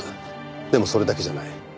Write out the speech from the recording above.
でもそれだけじゃない。